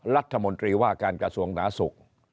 รัฐมนตรีว่าการกระทรวงหนาสุข